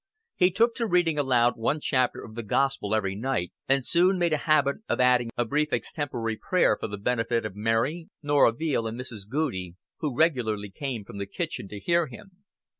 He took to reading aloud one chapter of the Gospel every night, and soon made a habit of adding a brief extempore prayer for the benefit of Mary, Norah Veale, and Mrs. Goudie, who regularly came from the kitchen to hear him.